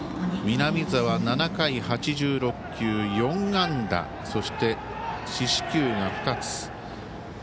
南澤、７回８６球４安打、そして四死球が２つ。